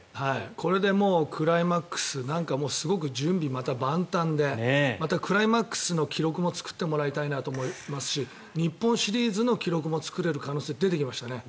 これでクライマックスすごく準備が万端でまたクライマックスの記録も作ってもらいたいなと思いますし日本シリーズの記録も作れる可能性が出てきましたね。